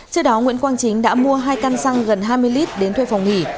trước đó nguyễn quang chính đã mua hai căn xăng gần hai mươi lít đến thuê phòng nghỉ